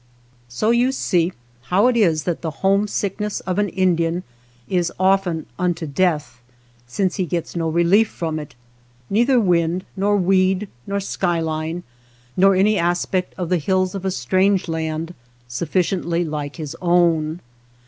So you see how it is that the homesickness of an Indian is often unto death, since he gets no relief from it; neither wind nor weed nor sky line, nor any aspect of the hills of a strange land sufficiently like his own.